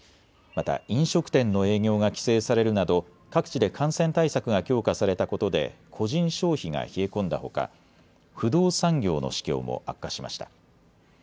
また飲食店の営業が規制されるなど各地で感染対策が強化されたことで個人消費が冷え込んだほか不動産業の市況も悪化しました。